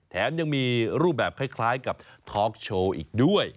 แถมยังมีรูปแบบคล้ายกับทอล์กโชว์อีกด้วย